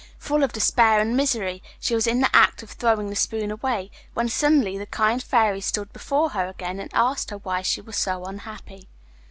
Full of despair and misery, she was in the act of throwing the spoon away, when suddenly the kind Fairy stood before her again, and asked her why she was so unhappy?